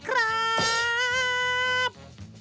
ปรับทราบ